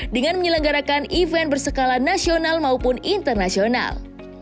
dengan menyelenggarakan event berskala nasional maupun internasional